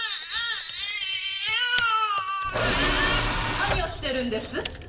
何をしてるんです？